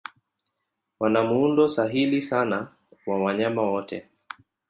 Wana muundo sahili sana wa wanyama wote.